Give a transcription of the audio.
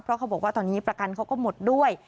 เพราะเขาบอกว่าตอนนี้ประกันเขาก็หมดด้วย